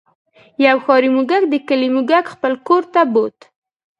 یو ښاري موږک د کلي موږک خپل کور ته بوت.